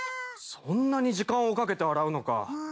そんなに時間をかけて洗うのか。